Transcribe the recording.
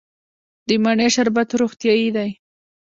د مڼې شربت روغتیایی دی.